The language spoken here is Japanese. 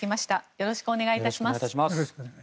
よろしくお願いします。